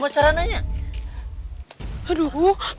aduh gak ada yang bangun satupun